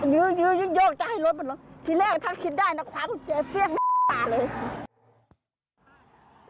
ยื้อยื้อยึ่งยกจะให้รถมันลงที่แรกถ้าคิดได้นะความเจ๋งเลย